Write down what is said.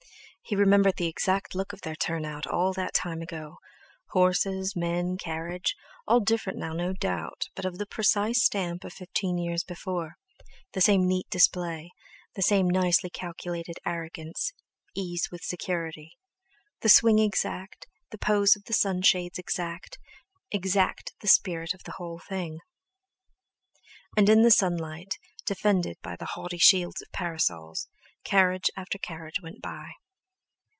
_ He remembered the exact look of their turn out all that time ago: Horses, men, carriage—all different now, no doubt—but of the precise stamp of fifteen years before; the same neat display, the same nicely calculated arrogance ease with security! The swing exact, the pose of the sunshades exact, exact the spirit of the whole thing. And in the sunlight, defended by the haughty shields of parasols, carriage after carriage went by.